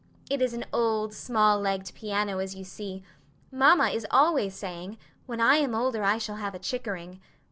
It is an old, small legged piano, as you see: mamma is always saying, when I am older I shall have a Chickering.